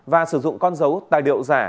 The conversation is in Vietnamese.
và sử dụng con dấu tài liệu giả